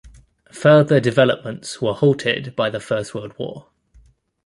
Further developments were halted by the First World War.